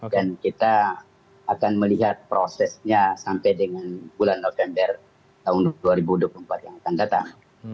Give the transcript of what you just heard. dan kita akan melihat prosesnya sampai dengan bulan november tahun dua ribu dua puluh empat yang akan datang